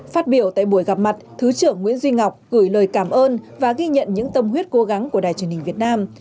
phát biểu tại buổi gặp mặt thứ trưởng nguyễn duy ngọc gửi lời cảm ơn và ghi nhận những tâm huyết cố gắng của đài truyền hình việt nam